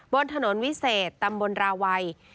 บนถนนวิเศษตำบลราวัย